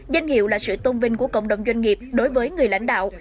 danh hiệu là sự tôn vinh của cộng đồng doanh nghiệp đối với người lãnh đạo